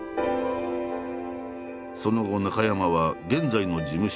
その後中山は現在の事務所に合格。